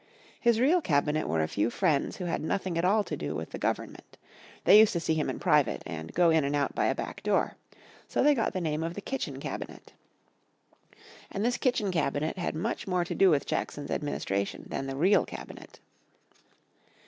His real Cabinet were a few friends who had nothing at all to do with the government. They used to see him in private, and go in and out by a back door. So they got the name of the Kitchen Cabinet. And this Kitchen Cabinet had much more to do with Jackson's administration than the real Cabinet.